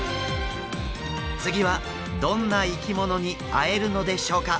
次はどんな生き物に会えるのでしょうか？